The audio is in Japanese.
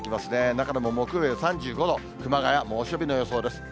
中でも木曜日は３５度、熊谷、猛暑日の予想です。